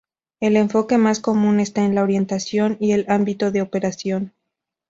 El enfoque más común está en la 'orientación' y el 'ámbito de operación'.